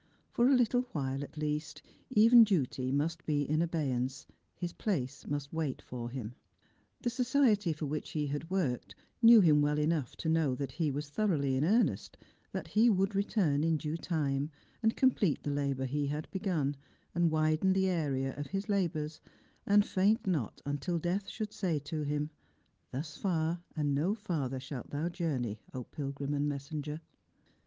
For a little while, at least, even duty must be iu abeyance, his place must wait for him. The society for which he had worked knew him well enough to know that he was thoroughly in earnest— that he would return in due time, and complete the labour he had begun, and widen the area of his labours, and faint not until Death should say to him, " Thus far, and no farther, shalt thou journey, O pilgrim and messenger!"